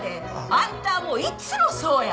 あんたはもういつもそうや！